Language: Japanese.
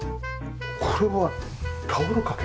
これはタオル掛け？